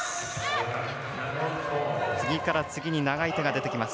次から次に長い手が出てきます。